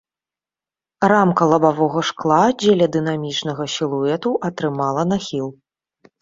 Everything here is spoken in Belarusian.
Рамка лабавога шкла дзеля дынамічнага сілуэту атрымала нахіл.